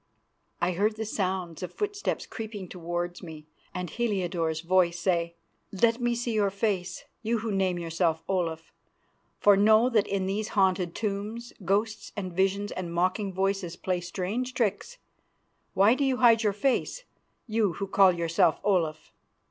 I heard the sound of footsteps creeping towards me and Heliodore's voice say, "Let me see your face, you who name yourself Olaf, for know that in these haunted tombs ghosts and visions and mocking voices play strange tricks. Why do you hide your face, you who call yourself Olaf?"